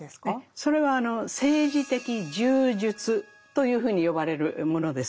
それは「政治的柔術」というふうに呼ばれるものです。